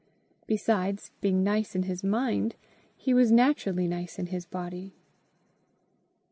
Besides, being nice in his mind, he was naturally nice in his body.